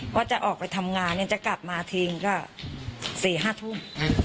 ว่าจะออกไปทำงานจะกลับมาทิ้งก็๔๕ทุ่ม